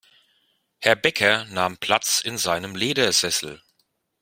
Herr Bäcker nahm Platz in seinem Ledersessel.